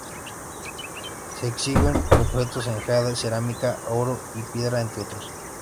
Se exhiben objetos en jade, cerámica, oro y piedra entre otros.